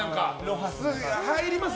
入ります？